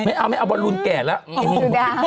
ไม่เอาบอลลูนแก่แล้ว